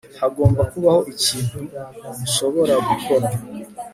hagomba kubaho ikintu nshobora gukora